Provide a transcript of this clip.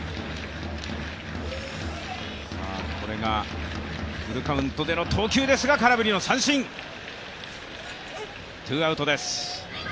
これがフルカウントでの投球ですが空振りの三振、ツーアウトです。